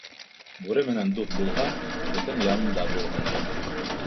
Бүре менән дуҫ булһаң, этең янында булһын.